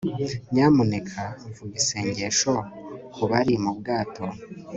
Nyamuneka vuga isengesho kubari mu bwato